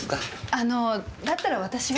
あのだったら私は。